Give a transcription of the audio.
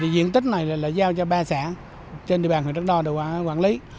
diện tích này là giao cho ba xã trên địa bàn huyện đắk đoa để quản lý